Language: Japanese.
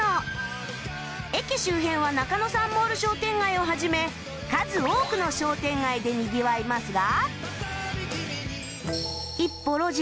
駅周辺は中野サンモール商店街を始め数多くの商店街でにぎわいますが